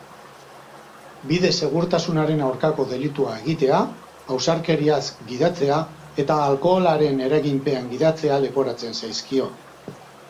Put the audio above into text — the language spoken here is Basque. Bide-segurtasunaren aurkako delitua egitea, ausarkeriaz gidatzea eta alkoholaren eraginpean gidatzea leporatzen zaizkio.